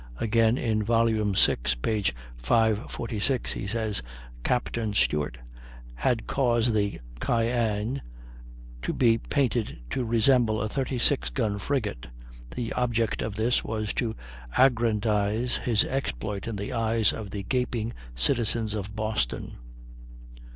Again, in vol. vi, p. 546, he says: "Captain Stewart had caused the Cyane to be painted to resemble a 36 gun frigate. The object of this was to aggrandize his exploit in the eyes of the gaping citizens of Boston."